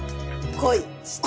恋！？